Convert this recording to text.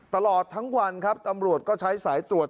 ตลอดทั้งวันครับตำรวจก็ใช้สายตรวจ